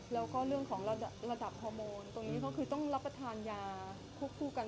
แล้วก็เรื่องของระดับฮอร์โมนตรงนี้ก็คือต้องรับประทานยาควบคู่กัน